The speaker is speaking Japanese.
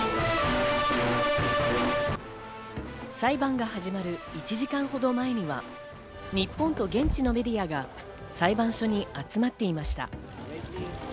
裁判が始まる１時間ほど前には、日本と現地のメディアが裁判所に集まっていました。